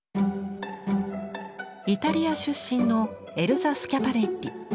イタリア出身のエルザ・スキャパレッリ。